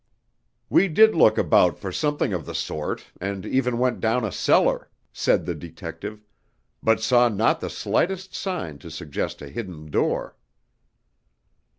"We did look about for something of the sort, and even went down a cellar," said the detective, "but saw not the slightest sign to suggest a hidden door."